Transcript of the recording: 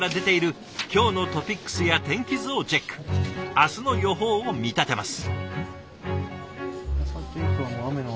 明日の予報を見立てます。